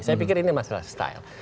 saya pikir ini masalah style